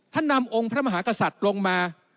นำองค์พระมหากษัตริย์ลงมา